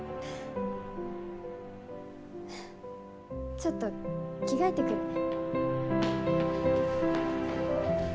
ちょっと着替えてくるね。